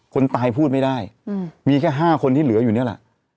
คนตายพูดไม่ได้มีแค่๕คนที่เหลืออยู่นี่แหละ